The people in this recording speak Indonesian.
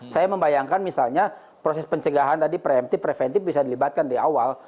saya membayangkan misalnya proses pencegahan tadi preventif preventif bisa dilibatkan di awal